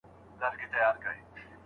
ایا ځايي کروندګر خندان پسته پروسس کوي؟